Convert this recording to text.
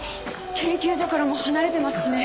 研究所からも離れてますしね。